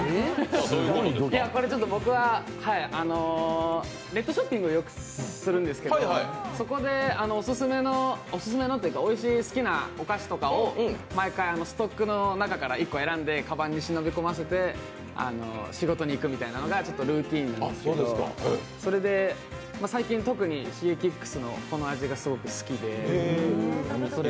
これ、僕はネットショッピングをよくするんですけどそこでおいしい、好きなお菓子とかを毎回ストックの中から１個選んでかばんに忍び込ませて仕事に行くみたいなのがルーティンなんですけど最近特に、シゲキックスのこの味がすごく好きで。